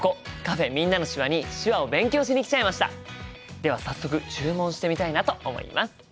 では早速注文してみたいなと思います。